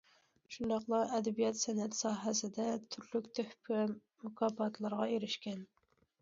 شۇنداقلا ئەدەبىيات- سەنئەت ساھەسىدە تۈرلۈك تۆھپە مۇكاپاتلىرىغا ئېرىشكەن.